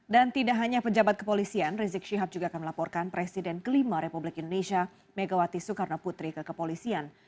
dan tidak hanya pejabat kepolisian rizik syihab juga akan melaporkan presiden kelima republik indonesia megawati soekarno putri ke kepolisian